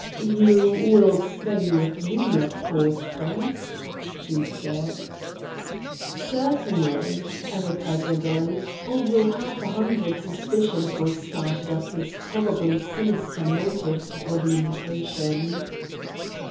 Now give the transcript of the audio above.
"You will stay with me, of course, Prince?" he said. "Certainly," I replied readily, although half a hundred suspicions were started of his probably sinister motive for the invitation.